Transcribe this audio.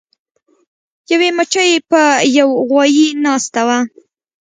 یوې مچۍ په یو غوایي ناسته وه.